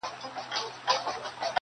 د ساحل روڼو اوبو کي!.